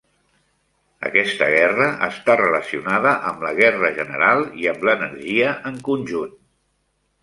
Aquesta guerra està relacionada amb la guerra general i amb l'energia en conjunt.